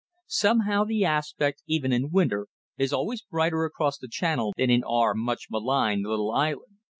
Somehow the aspect, even in winter, is always brighter across the channel than in our much maligned little island.